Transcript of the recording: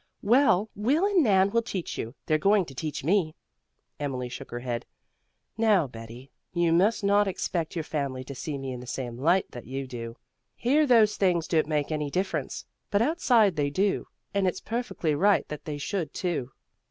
"Well, Will and Nan will teach you. They're going to teach me." Emily shook her head. "Now, Betty, you must not expect your family to see me in the same light that you do. Here those things don't make any difference, but outside they do; and it's perfectly right that they should, too."